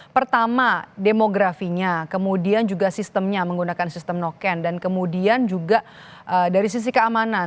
pertama demografinya kemudian juga sistemnya menggunakan sistem noken dan kemudian juga dari sisi keamanan